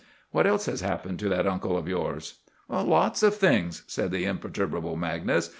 What else has happened to that uncle of yours?" "Lots of things," said the imperturbable Magnus.